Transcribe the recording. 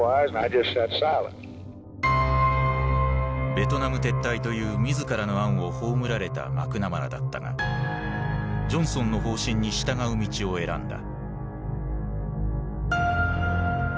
ベトナム撤退という自らの案を葬られたマクナマラだったがジョンソンの方針に従う道を選んだ。